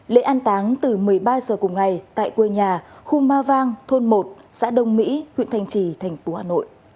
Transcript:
lễ an táng từ một mươi ba h cùng ngày tại quê nhà khu ma vang thôn một xã đông mỹ huyện thành trì tp hcm